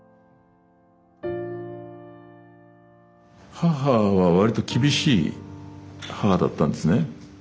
母は割と厳しい母だったんですね。